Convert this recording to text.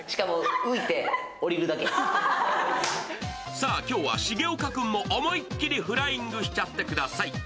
さあ、今日は重岡君も思いっきりフライングしちゃってください。